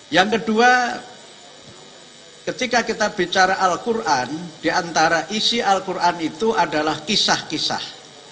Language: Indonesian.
yang kedua ketika kita bicara al quran diantara isi al quran itu adalah kisah kisah